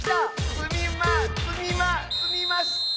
つみまつみまつみました！